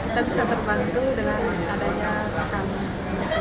kita bisa terbantu dengan adanya pakan masing masing